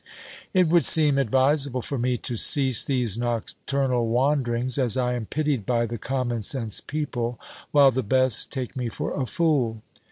It would seem advisable for me to cease these nocturnal wanderings, as I am pitied by the common sense people, while the best take me for a fool.